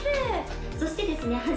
そしてですね